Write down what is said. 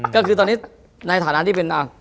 ก็คือตอนนี้ในฐานะที่เป็น